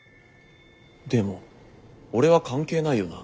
でも俺は関係ないよな？